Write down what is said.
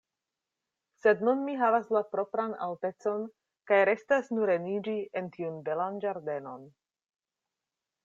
Sed nun mi havas la propran altecon, kaj restas nureniĝi en tiun belan ĝardenon.